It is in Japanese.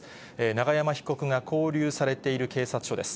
永山被告が勾留されている警察署です。